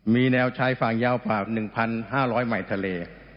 มีแนวชายฟางยาวประมาณ๑๕๐๐ไมค์ทะเล